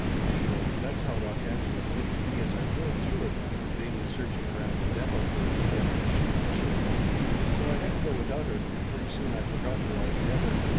Anyways, that's how Los Angeles seemed to me as I drove through it after vainly searching around the depot for Anita, and she not showing up. So I had to go without her, and pretty soon I forgot her altogether.